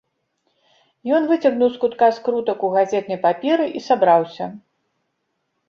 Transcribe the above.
Ён выцягнуў з кутка скрутак у газетнай паперы і сабраўся.